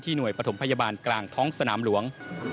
หน่วยปฐมพยาบาลกลางท้องสนามหลวง